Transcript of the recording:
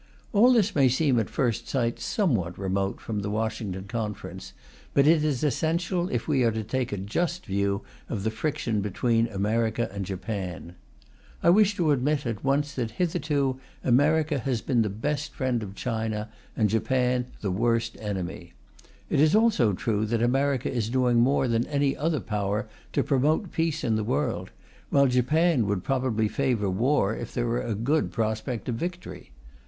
All this may seem, at first sight, somewhat remote from the Washington Conference, but it is essential if we are to take a just view of the friction between America and Japan. I wish to admit at once that, hitherto, America has been the best friend of China, and Japan the worst enemy. It is also true that America is doing more than any other Power to promote peace in the world, while Japan would probably favour war if there were a good prospect of victory.